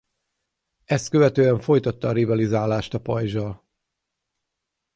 Ezt követően folytatta a rivalizálást a Pajzs-al.